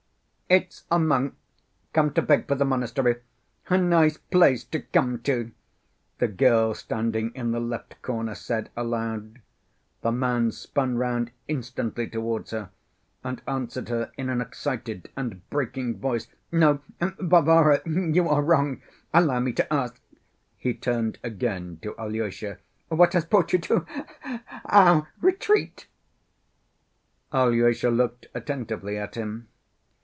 "It's a monk come to beg for the monastery. A nice place to come to!" the girl standing in the left corner said aloud. The man spun round instantly towards her and answered her in an excited and breaking voice: "No, Varvara, you are wrong. Allow me to ask," he turned again to Alyosha, "what has brought you to—our retreat?" Alyosha looked attentively at him.